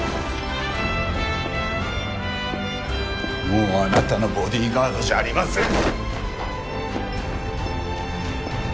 もうあなたのボディーガードじゃありません！